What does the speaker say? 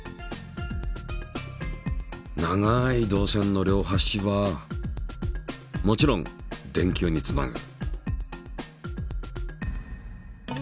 長い導線の両端はもちろん電球につなぐ。